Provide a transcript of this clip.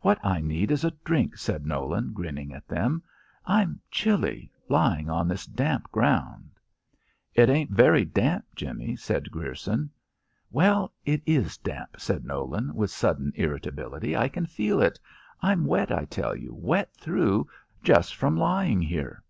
"What I need is a drink," said Nolan, grinning at them. "I'm chilly lying on this damp ground." "It ain't very damp, Jimmie," said Grierson. "Well, it is damp," said Nolan, with sudden irritability. "I can feel it. I'm wet, I tell you wet through just from lying here."